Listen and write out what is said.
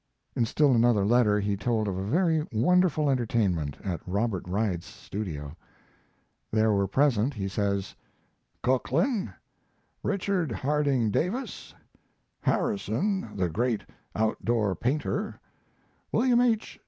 In still another letter he told of a very wonderful entertainment at Robert Reid's studio. There were present, he says: Coquelin; Richard Harding Davis; Harrison, the great outdoor painter; Wm. H.